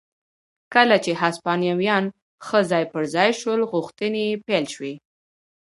کله چې هسپانویان ښه ځای پر ځای شول غوښتنې یې پیل شوې.